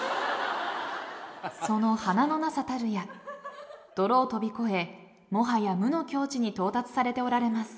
その華のなさたるや泥を飛び越えもはや無の境地に到達されておられます。